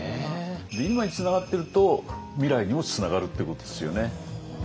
今につながってると未来にもつながるっていうことですよね。